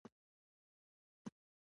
په ټول عالم کې د لویې پیاوړتیا خاوند دی.